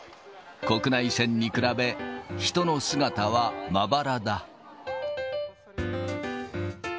国内線に比べ、人の姿はまばらだ。